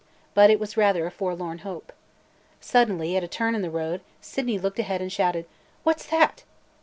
But it was rather a forlorn hope. Suddenly, at a turn in the road, Sydney looked ahead and shouted: "What 's that?"